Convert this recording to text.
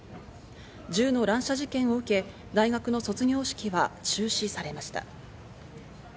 銃の乱射事件を受け、大学の卒業式は中止されました。